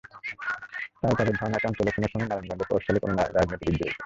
তাই তাঁদের ধারণা, চঞ্চলের খুনের সঙ্গে নারায়ণগঞ্জের প্রভাবশালী কোনো রাজনীতিবিদ জড়িত।